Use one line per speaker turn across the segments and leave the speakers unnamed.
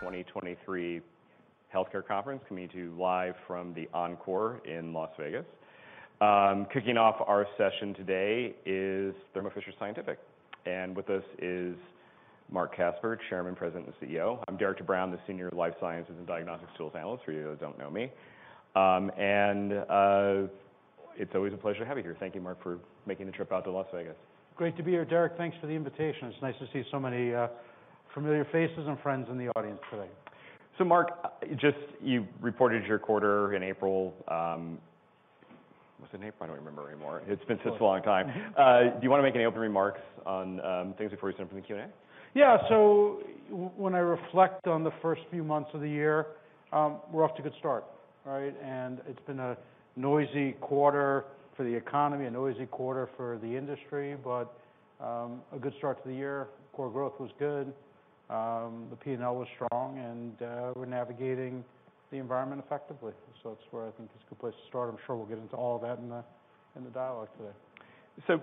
2023 Healthcare Conference coming to you live from The Encore in Las Vegas. Kicking off our session today is Thermo Fisher Scientific, and with us is Marc Casper, Chairman, President, and CEO. I'm Derik De Bruin, the Senior Life Sciences and Diagnostics Tools Analyst, for you who don't know me. It's always a pleasure to have you here. Thank you, Marc, for making the trip out to Las Vegas.
Great to be here, Derik. Thanks for the invitation. It's nice to see so many familiar faces and friends in the audience today.
Marc, you reported your quarter in April. Was it in April? I don't remember anymore. It's been such a long time. Do you wanna make any opening remarks on things before we start from the Q&A?
Yeah. When I reflect on the first few months of the year, we're off to a good start, right? It's been a noisy quarter for the economy, a noisy quarter for the industry, but a good start to the year. Core growth was good, the P&L was strong, and we're navigating the environment effectively. It's where I think it's a good place to start. I'm sure we'll get into all of that in the, in the dialogue today.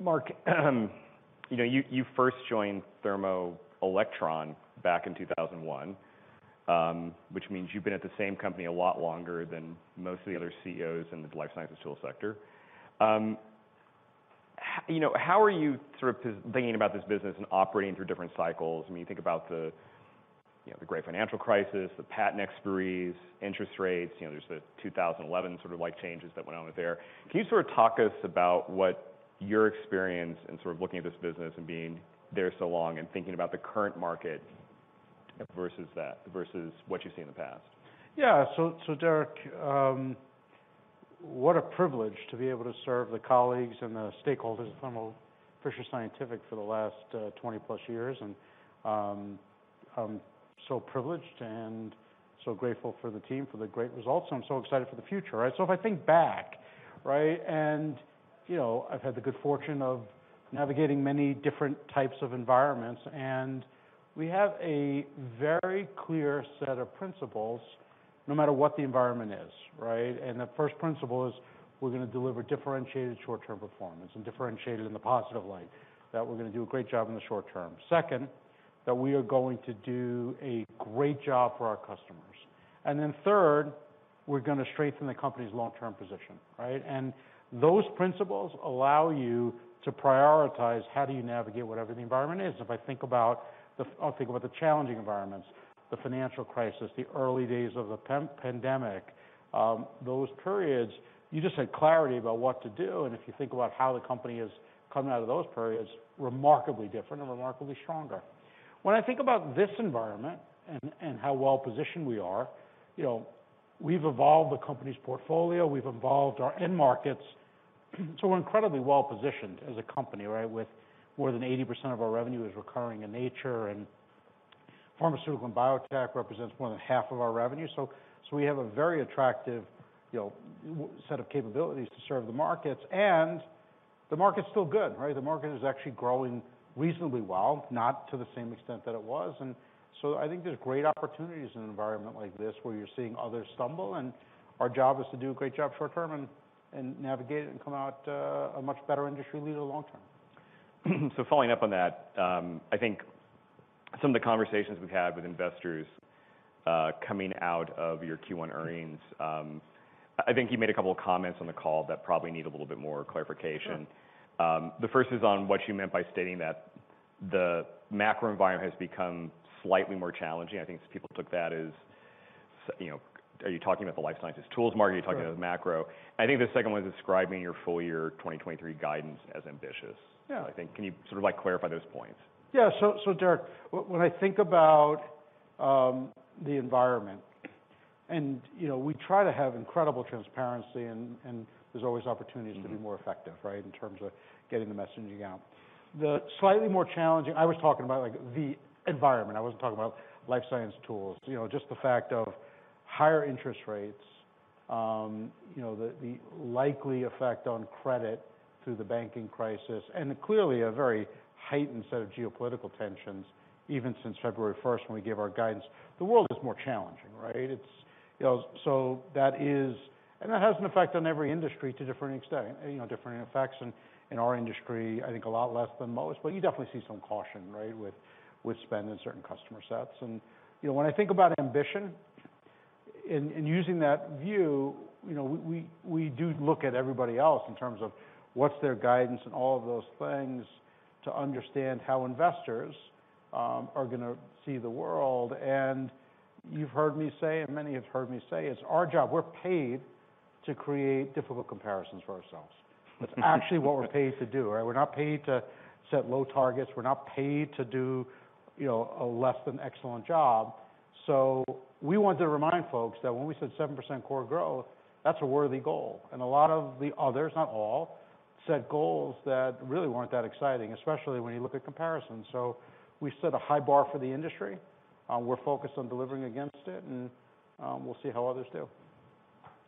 Marc, you know, you first joined Thermo Electron back in 2001, which means you've been at the same company a lot longer than most of the other CEOs in the life sciences tool sector. You know, how are you sort of thinking about this business and operating through different cycles when you think about the, you know, the great financial crisis, the patent expiries, interest rates? You know, there's the 2011 sort of like changes that went on there. Can you sort of talk us about what your experience and sort of looking at this business and being there so long and thinking about the current market versus that, versus what you've seen in the past?
Yeah. So Derik, what a privilege to be able to serve the colleagues and the stakeholders of Thermo Fisher Scientific for the last 20-plus years. I'm so privileged and so grateful for the team for the great results, and I'm so excited for the future, right? If I think back, right, you know, I've had the good fortune of navigating many different types of environments, and we have a very clear set of principles no matter what the environment is, right? The first principle is we're gonna deliver differentiated short-term performance and differentiated in the positive light, that we're gonna do a great job in the short term. Second, that we are going to do a great job for our customers. Then third, we're gonna strengthen the company's long-term position, right? Those principles allow you to prioritize how do you navigate whatever the environment is. I'll think about the challenging environments, the financial crisis, the early days of the pre-pandemic, those periods, you just had clarity about what to do, and if you think about how the company is coming out of those periods, remarkably different and remarkably stronger. I think about this environment and how well-positioned we are, you know, we've evolved the company's portfolio, we've evolved our end markets, so we're incredibly well-positioned as a company, right? With more than 80% of our revenue is recurring in nature, and pharmaceutical and biotech represents more than half of our revenue. We have a very attractive, you know, set of capabilities to serve the markets, and the market's still good, right? The market is actually growing reasonably well, not to the same extent that it was. I think there's great opportunities in an environment like this where you're seeing others stumble, and our job is to do a great job short term and nav`igate it and come out, a much better industry leader long term.
Following up on that, I think some of the conversations we've had with investors, coming out of your Q1 earnings, I think you made a couple of comments on the call that probably need a little bit more clarification.
Sure.
The first is on what you meant by stating that the macro environment has become slightly more challenging. I think people took that as, you know, are you talking about the life sciences tools market?
Right
or are you talking about macro? I think the second one is describing your full year 2023 guidance as ambitious.
Yeah.
I think can you sort of like clarify those points?
Yeah. Derik, when I think about the environment and, you know, we try to have incredible transparency and there's always opportunities.to be more effective, right? In terms of getting the messaging out. I was talking about like the environment. I wasn't talking about life science tools. You know, just the fact of higher interest rates, you know, the likely effect on credit through the banking crisis, clearly a very heightened set of geopolitical tensions even since February 1st when we gave our guidance. The world is more challenging, right? It's, you know, It has an effect on every industry to differing extent, you know, differing effects. In, in our industry, I think a lot less than most, but you definitely see some caution, right? With, with spend in certain customer sets. You know, when I think about ambition in using that view, you know, we, we do look at everybody else in terms of what's their guidance and all of those things to understand how investors are gonna see the world. You've heard me say, and many have heard me say, it's our job. We're paid to create difficult comparisons for ourselves. That's actually what we're paid to do, right? We're not paid to set low targets. We're not paid to do, you know, a less than excellent job. We want to remind folks that when we said 7% core growth, that's a worthy goal. A lot of the others, not all, set goals that really weren't that exciting, especially when you look at comparisons. We set a high bar for the industry. We're focused on delivering against it, and we'll see how others do.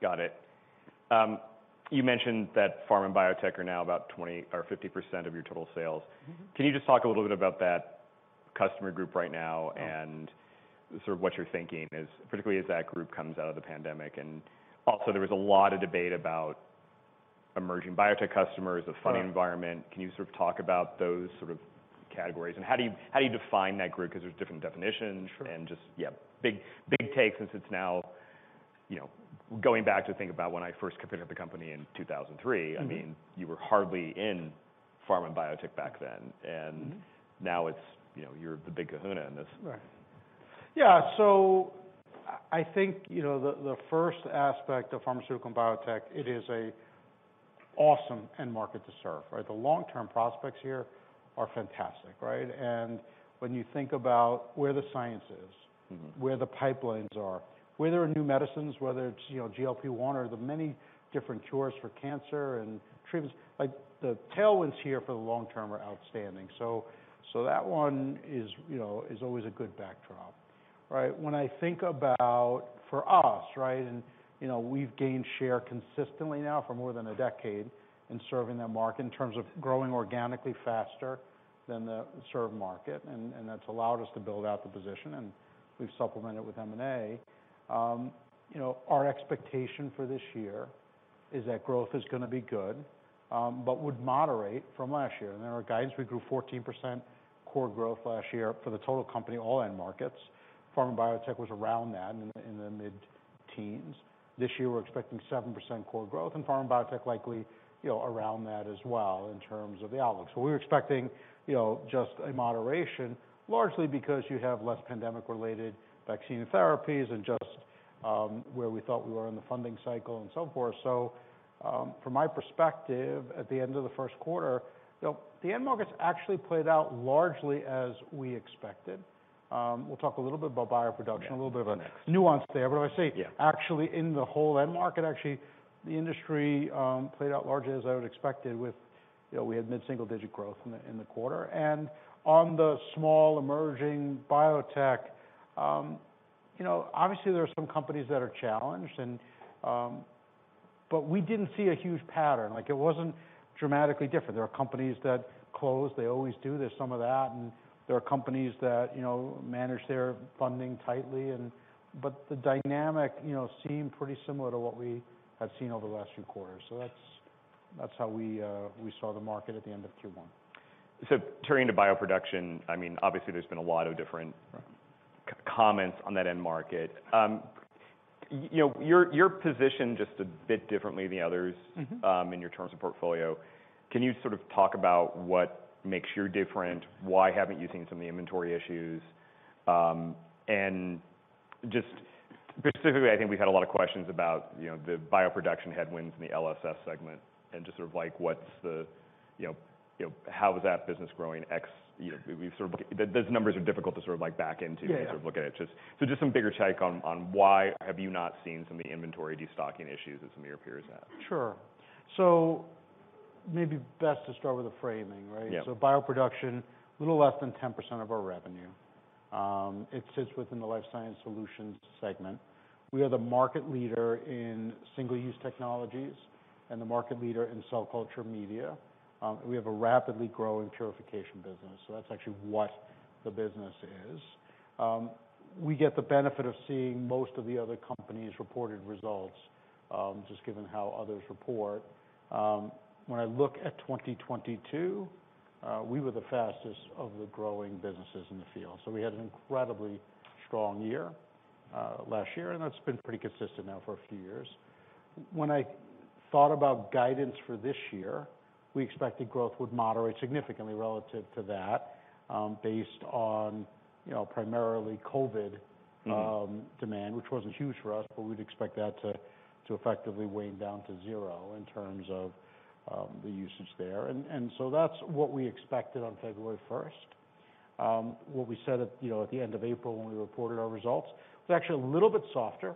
Got it. You mentioned that pharma and biotech are now about 20% or 50% of your total sales.
Mm-hmm.
Can you just talk a little bit about that customer group right now Sort of what you're thinking is, particularly as that group comes out of the pandemic? There was a lot of debate about emerging biotech customers, the funding environment.
Right.
Can you sort of talk about those sort of categories, and how do you define that group? There's different definitions.
Sure.
just, yeah, big, big take since it's now, you know, going back to think about when I first covered the company in 2003. I mean, you were hardly in pharma and biotech back then. Now it's, you know, you're the big kahuna in this.
Right. Yeah. I think, you know, the first aspect of pharmaceutical and biotech, it is a awesome end market to serve, right? The long-term prospects here are fantastic, right? When you think about where the science is. Where the pipelines are, where there are new medicines, whether it's, you know, GLP-1 or the many different cures for cancer and treatments, like, the tailwinds here for the long term are outstanding. That one is, you know, is always a good backdrop, right? When I think about for us, right, you know, we've gained share consistently now for more than a decade in serving that market in terms of growing organically faster than the served market. That's allowed us to build out the position, and we've supplemented with M&A. You know, our expectation for this year is that growth is gonna be good, but would moderate from last year. In our guidance, we grew 14% core growth last year for the total company, all end markets. Pharma and biotech was around that in the mid-teens. This year, we're expecting 7% core growth and pharma and biotech likely, you know, around that as well in terms of the outlook. We're expecting, you know, just a moderation largely because you have less pandemic-related vaccine and therapies and just where we thought we were in the funding cycle and so forth. From my perspective, at the end of the first quarter, the end markets actually played out largely as we expected. We'll talk a little bit about bioproduction.
Yeah.
A little bit of a nuance there.
Yeah.
I say actually in the whole end market, actually, the industry played out largely as I would expect it, with, you know, we had mid-single digit growth in the quarter. On the small emerging biotech, you know, obviously there are some companies that are challenged and, but we didn't see a huge pattern. Like, it wasn't dramatically different. There are companies that closed. They always do. There's some of that. There are companies that, you know, manage their funding tightly, but the dynamic, you know, seemed pretty similar to what we have seen over the last few quarters. That's, that's how we saw the market at the end of Q1.
Turning to bioproduction, I mean, obviously there's been a lot of different.
Right
comments on that end market. you know, your position just a bit differently than the others in your terms of portfolio. Can you sort of talk about what makes you different? Why haven't you seen some of the inventory issues? Just specifically, I think we've had a lot of questions about, you know, the bioproduction headwinds in the LSS segment and just sort of like, what's the, you know, how is that business growing? Those numbers are difficult to sort of like back into.
Yeah
As you sort of look at it. Just some bigger take on why have you not seen some of the inventory destocking issues that some of your peers have?
Sure. Maybe best to start with the framing, right?
Yeah.
Bioproduction, a little less than 10% of our revenue. It sits within the Life Sciences Solutions segment. We are the market leader in single-use technologies and the market leader in cell culture media. We have a rapidly growing purification business, so that's actually what the business is. We get the benefit of seeing most of the other companies' reported results, just given how others report. When I look at 2022, we were the fastest of the growing businesses in the field. We had an incredibly strong year, last year, and that's been pretty consistent now for a few years. When I thought about guidance for this year, we expected growth would moderate significantly relative to that, based on, you know, primarily COVID, demand Which wasn't huge for us, but we'd expect that to effectively wane down to 0 in terms of the usage there. That's what we expected on February first. What we said at, you know, at the end of April when we reported our results was actually a little bit softer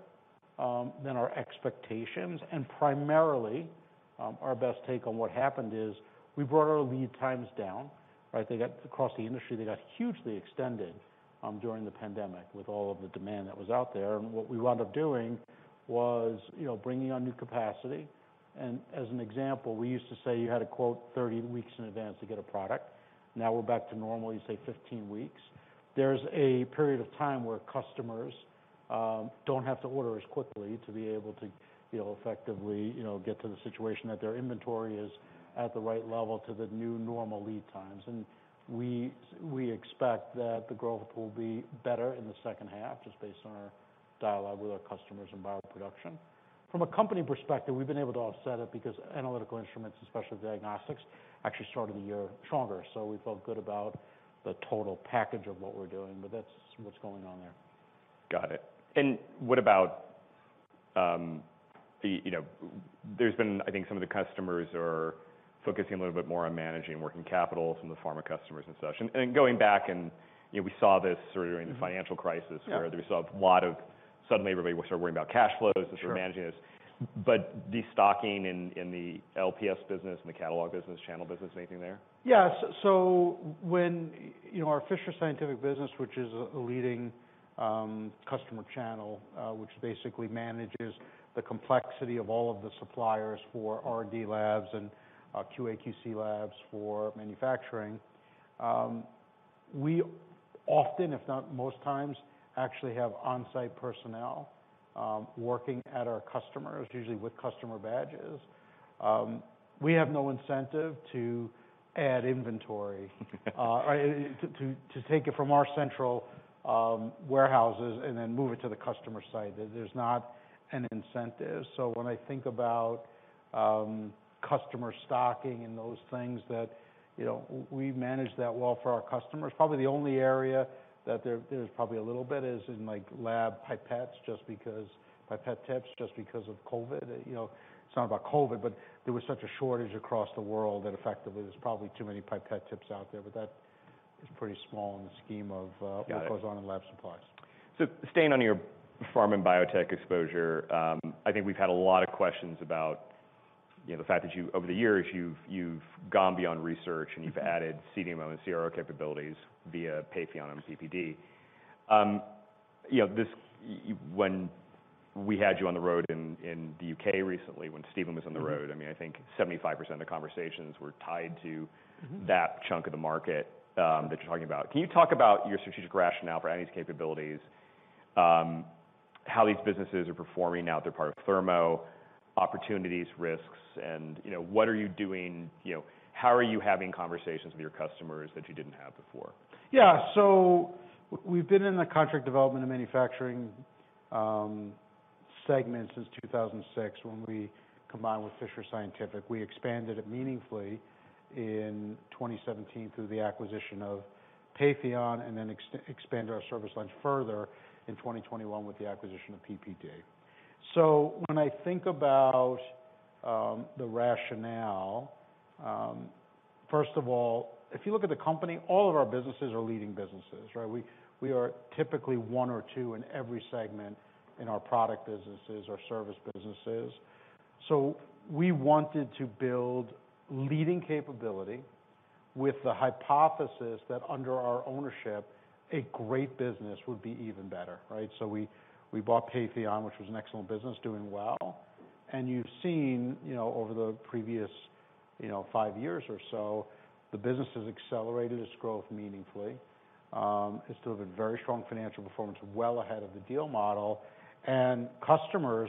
than our expectations. Primarily, our best take on what happened is we brought our lead times down, right? Across the industry, they got hugely extended during the pandemic with all of the demand that was out there. What we wound up doing was, you know, bringing on new capacity. As an example, we used to say you had to quote 30 weeks in advance to get a product. Now we're back to normal, you say 15 weeks. There's a period of time where customers don't have to order as quickly to be able to, you know, effectively, you know, get to the situation that their inventory is at the right level to the new normal lead times. We expect that the growth will be better in the second half, just based on our dialogue with our customers in bioproduction. From a company perspective, we've been able to offset it because analytical instruments, especially diagnostics, actually started the year stronger. We felt good about the total package of what we're doing, but that's what's going on there.
Got it. What about, you know, there's been, I think some of the customers are focusing a little bit more on managing working capital from the pharma customers and such. Going back and, you know, we saw this sort of during the financial crisis.
Yeah
where we saw a lot of suddenly everybody was sort of worrying about cash flows.
Sure
and sort of managing this. Destocking in the LPS business, in the catalog business, channel business, anything there?
When, you know, our Fisher Scientific business, which is a leading customer channel, which basically manages the complexity of all of the suppliers for R&D labs and QAQC labs for manufacturing. We often, if not most times, actually have on-site personnel working at our customers, usually with customer badges. We have no incentive to add inventory to take it from our central warehouses and then move it to the customer site. There's not an incentive. When I think about customer stocking and those things that, you know, we manage that well for our customers. Probably the only area that there's probably a little bit is in like pipette tips just because of COVID. You know, it's not about COVID, but there was such a shortage across the world that effectively there's probably too many pipette tips out there, but that is pretty small in the scheme of.
Yeah.
what goes on in lab supplies.
staying on your pharm and biotech exposure, I think we've had a lot of questions about, you know, the fact that over the years, you've gone beyond research and you've added CDMO and CRO capabilities via Patheon and PPD. you know, When we had you on the road in the UK recently, when Stephen was on the road.
Mm-hmm.
I mean, I think 75% of conversations were tied to- that chunk of the market that you're talking about. Can you talk about your strategic rationale for any of these capabilities? How these businesses are performing now they're part of Thermo, opportunities, risks, and, you know, what are you doing? You know, how are you having conversations with your customers that you didn't have before?
Yeah. We've been in the contract development and manufacturing segment since 2006 when we combined with Fisher Scientific. We expanded it meaningfully in 2017 through the acquisition of Patheon, then expanded our service line further in 2021 with the acquisition of PPD. When I think about the rationale, first of all, if you look at the company, all of our businesses are leading businesses, right? We are typically one or two in every segment in our product businesses, our service businesses. We wanted to build leading capability with the hypothesis that under our ownership, a great business would be even better, right? We bought Patheon, which was an excellent business doing well. You've seen, you know, over the previous, you know, five years or so, the business has accelerated its growth meaningfully. It's still a very strong financial performance, well ahead of the deal model, and customers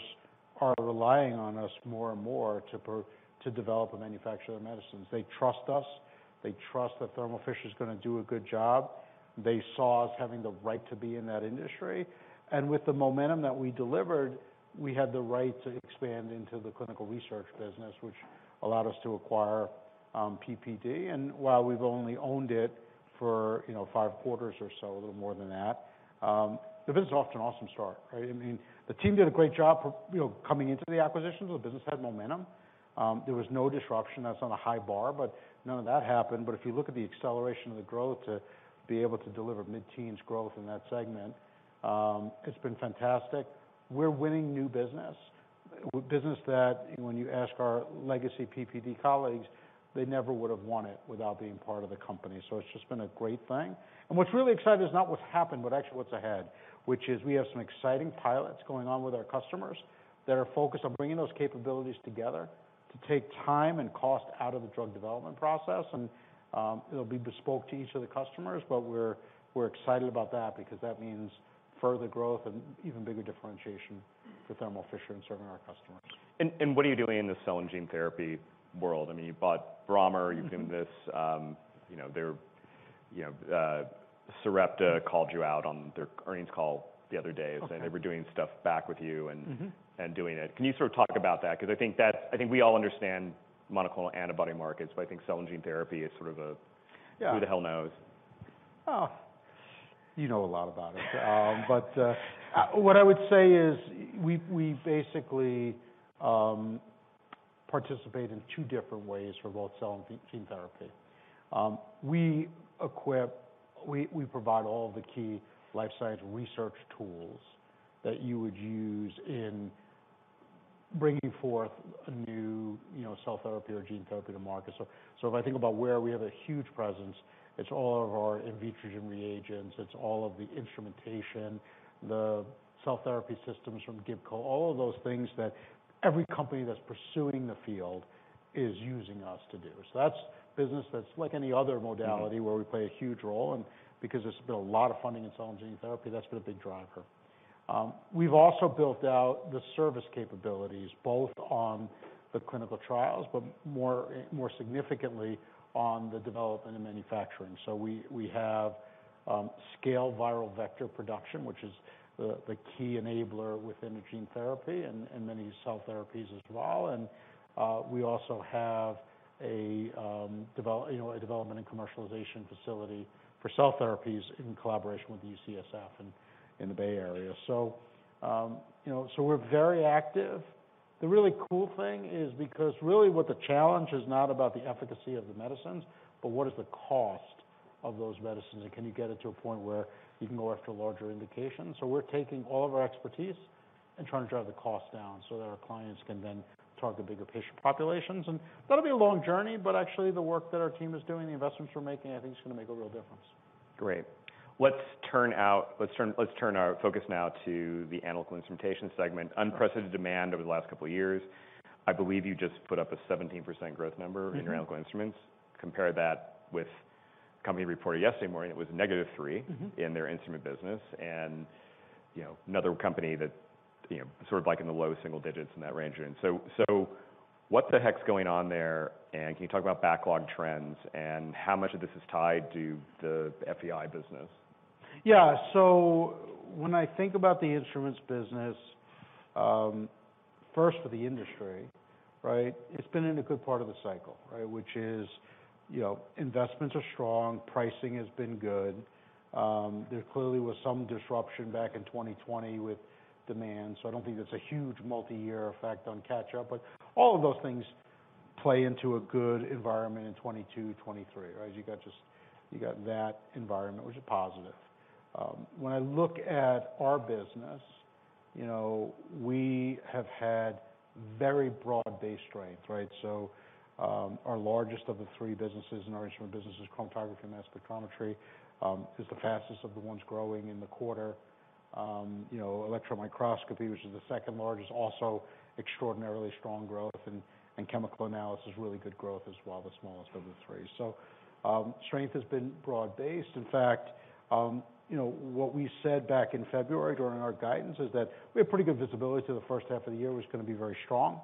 are relying on us more and more to develop and manufacture their medicines. They trust us. They trust that Thermo Fisher is gonna do a good job. They saw us having the right to be in that industry. With the momentum that we delivered, we had the right to expand into the clinical research business, which allowed us to acquire PPD. While we've only owned it for, you know, five quarters or so, a little more than that, the business is off to an awesome start, right? I mean, the team did a great job of, you know, coming into the acquisitions. The business had momentum. There was no disruption. That's on a high bar, but none of that happened. If you look at the acceleration of the growth to be able to deliver mid-teens growth in that segment, it's been fantastic. We're winning new business that when you ask our legacy PPD colleagues, they never would have won it without being part of the company. It's just been a great thing. What's really exciting is not what's happened, but actually what's ahead, which is we have some exciting pilots going on with our customers that are focused on bringing those capabilities together to take time and cost out of the drug development process. It'll be bespoke to each of the customers, but we're excited about that because that means further growth and even bigger differentiation for Thermo Fisher in serving our customers.
What are you doing in the cell and gene therapy world? I mean, you bought Brammer Bio. You've done this, you know, their, you know, Sarepta called you out on their earnings call the other day.
Okay.
Saying they were doing stuff back with you and- doing it. Can you sort of talk about that? I think we all understand monoclonal antibody markets, but I think cell and gene therapy is sort of a-
Yeah.
who the hell knows.
Oh, you know a lot about it. What I would say is we basically participate in two different ways for both cell and gene therapy. We provide all the key life science research tools that you would use in bringing forth a new, you know, cell therapy or gene therapy to market. If I think about where we have a huge presence, it's all of our Invitrogen reagents, it's all of the instrumentation, the cell therapy systems from Gibco, all of those things that every company that's pursuing the field is using us to do. That's business that's like any other modality. -where we play a huge role. Because there's been a lot of funding in cell and gene therapy, that's been a big driver. We've also built out the service capabilities, both on the clinical trials, but more, more significantly on the development and manufacturing. We have scale viral vector production, which is the key enabler within the gene therapy and many cell therapies as well. We also have a, you know, a development and commercialization facility for cell therapies in collaboration with UCSF in the Bay Area. you know, we're very active. The really cool thing is because really what the challenge is not about the efficacy of the medicines, but what is the cost of those medicines, and can you get it to a point where you can go after larger indications. We're taking all of our expertise and trying to drive the cost down so that our clients can then target bigger patient populations. That'll be a long journey, but actually the work that our team is doing, the investments we're making, I think it's gonna make a real difference.
Great. Let's turn our focus now to the analytical instrumentation segment. Unprecedented demand over the last couple of years. I believe you just put up a 17% growth number. in your analytical instruments. Compare that with a company reported yesterday morning, it was negative three- in their instrument business. You know, another company that, you know, sort of like in the low single digits in that range. What the heck's going on there? Can you talk about backlog trends and how much of this is tied to the FEI business?
Yeah. When I think about the instruments business, first for the industry, right? It's been in a good part of the cycle, right? Which is, you know, investments are strong. Pricing has been good. There clearly was some disruption back in 2020 with demand, so I don't think that's a huge multi-year effect on catch-up. But all of those things play into a good environment in 2022, 2023, right? You got that environment, which is positive. When I look at our business, you know, we have had very broad-based strength, right? Our largest of the three businesses in our instrument business is Chromatography Mass Spectrometry, is the fastest of the ones growing in the quarter. You know, electron microscopy, which is the second largest, also extraordinarily strong growth and chemical analysis, really good growth as well, the smallest of the three. Strength has been broad-based. In fact, you know, what we said back in February during our guidance is that we have pretty good visibility to the first half of the year was going be very strong.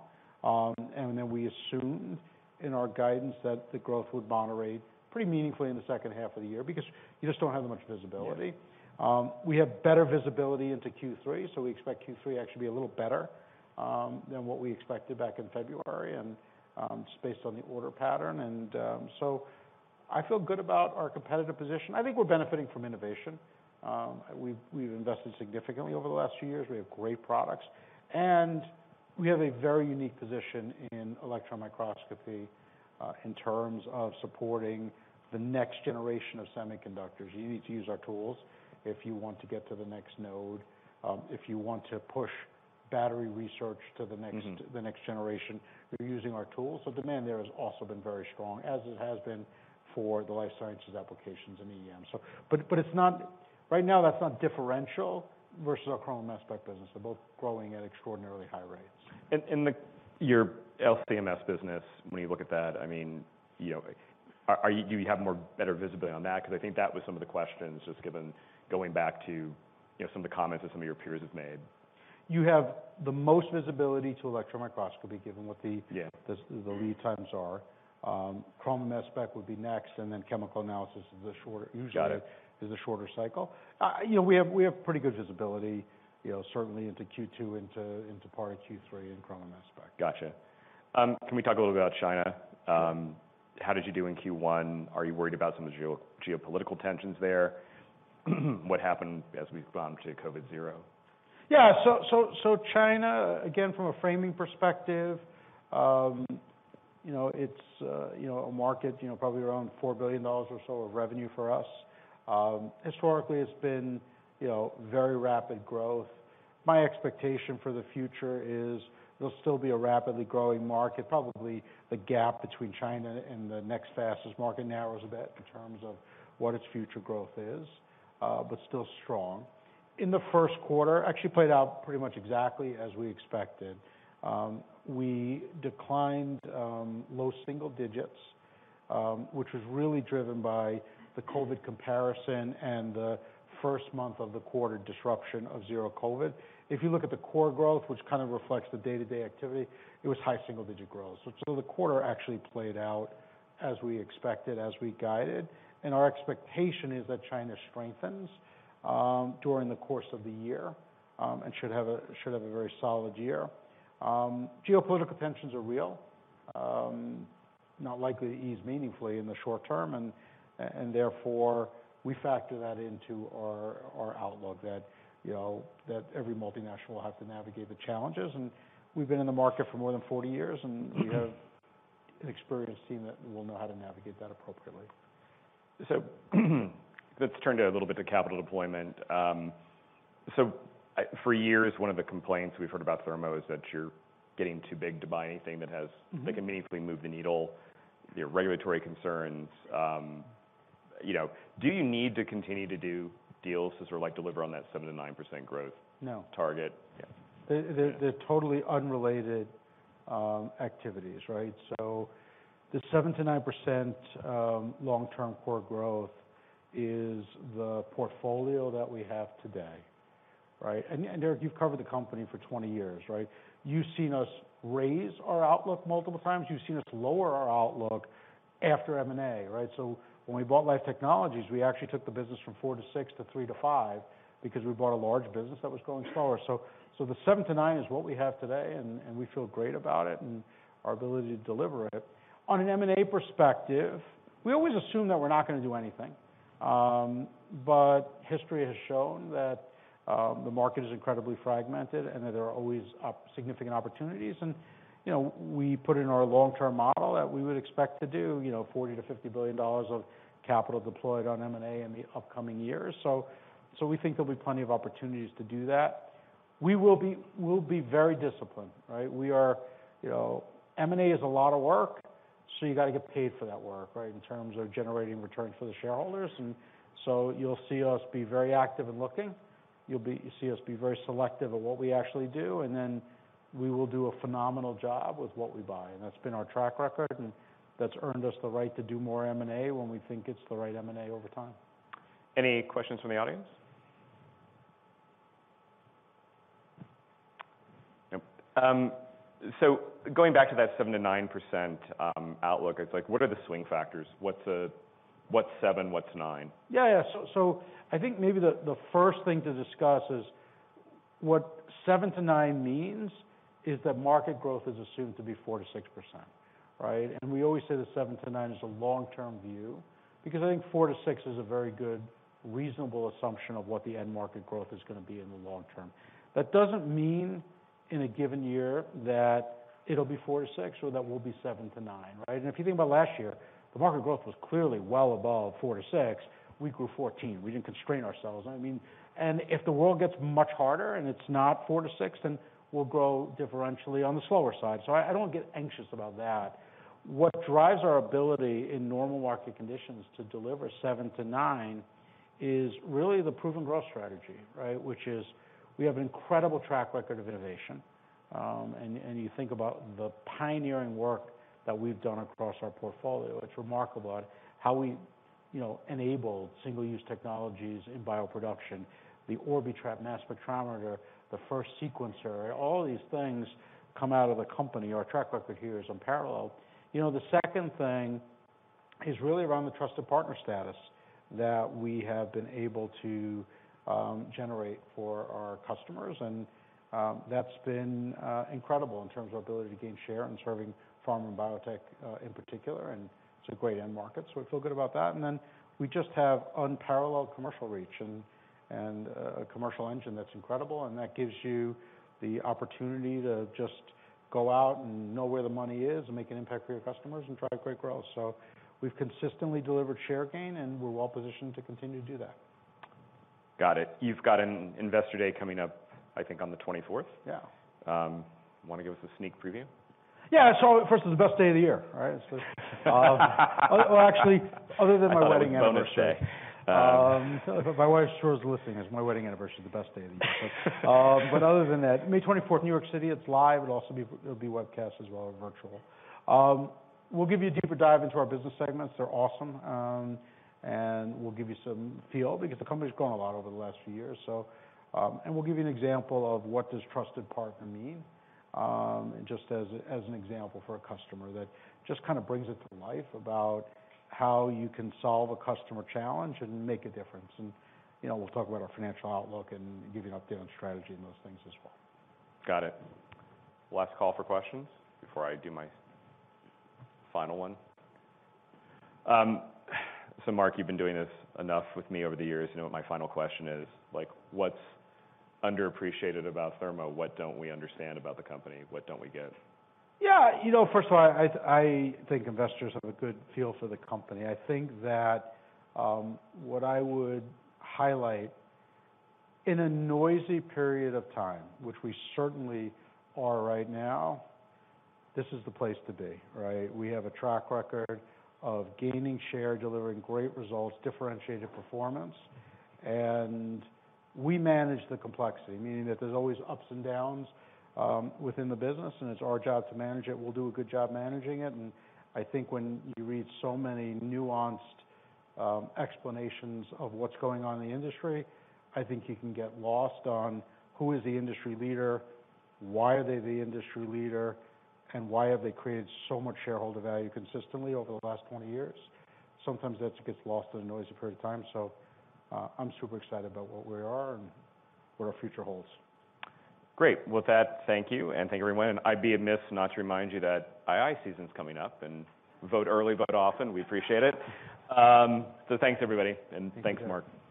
We assumed in our guidance that the growth would moderate pretty meaningfully in the second half of the year because you just don't have much visibility.
Yeah.
We have better visibility into Q3, so we expect Q3 actually to be a little better than what we expected back in February. It's based on the order pattern. I feel good about our competitive position. I think we're benefiting from innovation. We've invested significantly over the last few years. We have great products, and we have a very unique position in electron microscopy in terms of supporting the next generation of semiconductors. You need to use our tools if you want to get to the next node. If you want to push battery research to the next- the next generation, you're using our tools. Demand there has also been very strong, as it has been for the life sciences applications and EEM. Right now, that's not differential versus our Chrome Mass Spec business. They're both growing at extraordinarily high rates.
In the your LC-MS business, when you look at that, I mean, you know, are do you have more better visibility on that? I think that was some of the questions, just given going back to, you know, some of the comments that some of your peers have made.
You have the most visibility to electron microscopy.
Yeah
the lead times are. chrome mass spec would be next, and then chemical analysis is the shorter-.
Got it.usually is the shorter cycle. you know, we have pretty good visibility, you know, certainly into Q2, into part of Q3 in chroma mass spec. Can we talk a little about China? How did you do in Q1? Are you worried about some of the geopolitical tensions there? What happened as we've gone to Zero-COVID?
China, again, from a framing perspective, you know, it's, you know, a market, you know, probably around $4 billion or so of revenue for us. Historically, it's been, you know, very rapid growth. My expectation for the future is it'll still be a rapidly growing market. Probably the gap between China and the next fastest market narrows a bit in terms of what its future growth is, but still strong. In the first quarter, actually played out pretty much exactly as we expected. We declined, low single digits, which was really driven by the COVID comparison and the first month of the quarter disruption of Zero-COVID. If you look at the core growth, which kind of reflects the day-to-day activity, it was high single digit growth. The quarter actually played out as we expected, as we guided. Our expectation is that China strengthens during the course of the year and should have a very solid year. Geopolitical tensions are real, not likely to ease meaningfully in the short term, and therefore we factor that into our outlook that, you know, that every multinational will have to navigate the challenges. We've been in the market for more than 40 years, and we have an experienced team that will know how to navigate that appropriately.
Let's turn to a little bit to capital deployment. For years, one of the complaints we've heard about Thermo is that you're getting too big to buy anything. that can meaningfully move the needle, your regulatory concerns. You know, do you need to continue to do deals to sort of like deliver on that 7%-9% growth.
No
target? Yeah.
They're totally unrelated activities, right? The 7%-9% long-term core growth is the portfolio that we have today, right? Derik, you've covered the company for 20 years, right? You've seen us raise our outlook multiple times. You've seen us lower our outlook after M&A, right? When we bought Life Technologies, we actually took the business from 4%-6% to 3%-5% because we bought a large business that was growing slower. The 7%-9% is what we have today, and we feel great about it and our ability to deliver it. On an M&A perspective, we always assume that we're not gonna do anything. History has shown that the market is incredibly fragmented and that there are always up significant opportunities. You know, we put in our long-term model that we would expect to do, you know, $40 billion-$50 billion of capital deployed on M&A in the upcoming years. So we think there'll be plenty of opportunities to do that. We'll be very disciplined, right? We are, you know, M&A is a lot of work. So you got to get paid for that work, right? In terms of generating returns for the shareholders. You'll see us be very active in looking. You'll see us be very selective of what we actually do, and then we will do a phenomenal job with what we buy. That's been our track record, and that's earned us the right to do more M&A when we think it's the right M&A over time.
Any questions from the audience? Nope. Going back to that 7%-9% outlook, it's like, what are the swing factors? What's 7%? What's 9%?
Yeah, yeah. I think maybe the first thing to discuss is what 7% to 9% means is that market growth is assumed to be 4% to 6%, right? We always say that 7% to 9% is a long-term view because I think 4% to 6% is a very good, reasonable assumption of what the end market growth is gonna be in the long term. That doesn't mean in a given year that it'll be 4% to 6% or that we'll be 7% to 9%, right? If you think about last year, the market growth was clearly well above 4% to 6%. We grew 14%. We didn't constrain ourselves. I mean if the world gets much harder and it's not 4% to 6%, we'll grow differentially on the slower side. I don't get anxious about that. What drives our ability in normal market conditions to deliver seven to nine is really the proven growth strategy, right? We have an incredible track record of innovation. You think about the pioneering work that we've done across our portfolio, it's remarkable. How we, you know, enabled single-use technologies in bioproduction, the Orbitrap mass spectrometer, the first sequencer. All these things come out of the company. Our track record here is unparalleled. You know, the second thing is really around the trusted partner status that we have been able to generate for our customers. That's been incredible in terms of ability to gain share and serving pharma and biotech in particular, and it's a great end market, so we feel good about that. We just have unparalleled commercial reach and a commercial engine that's incredible, and that gives you the opportunity to just go out and know where the money is and make an impact for your customers and drive great growth. We've consistently delivered share gain, and we're well positioned to continue to do that.
Got it. You've got an investor day coming up, I think, on the twenty-fourth.
Yeah.
Wanna give us a sneak preview?
Yeah. First, it's the best day of the year, right? Well, actually, other than my wedding anniversary.
I thought it was Mother's Day.
If my wife sure is listening, it's my wedding anniversary, the best day of the year. Other than that, May 24th, New York City, it's live. It'll be webcast as well virtual. We'll give you a deeper dive into our business segments. They're awesome. We'll give you some feel because the company's grown a lot over the last few years. We'll give you an example of what does trusted partner mean, and just as an example for a customer that just kind of brings it to life about how you can solve a customer challenge and make a difference. You know, we'll talk about our financial outlook and give you an update on strategy and those things as well.
Got it. Last call for questions before I do my final one. Mark, you've been doing this enough with me over the years. You know what my final question is. Like, what's underappreciated about Thermo? What don't we understand about the company? What don't we get?
Yeah. You know, first of all, I think investors have a good feel for the company. I think that, what I would highlight in a noisy period of time, which we certainly are right now, this is the place to be, right? We have a track record of gaining share, delivering great results, differentiated performance. We manage the complexity, meaning that there's always ups and downs within the business, and it's our job to manage it. We'll do a good job managing it. I think when you read so many nuanced explanations of what's going on in the industry, I think you can get lost on who is the industry leader, why are they the industry leader, and why have they created so much shareholder value consistently over the last 20 years. Sometimes that gets lost in the noise a period of time. I'm super excited about what we are and what our future holds.
Great. With that, thank you. Thank you everyone. I'd be amiss not to remind you that IRA season's coming up. Vote early, vote often. We appreciate it. Thanks, everybody.
Thank you.
thanks, Marc. Thanks for.